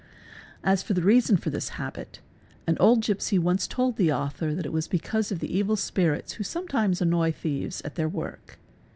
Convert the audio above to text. As for the reason for this habit, an old 2 once told the author that it was because of the evil spirits who | sometimes annoy thieves at their work.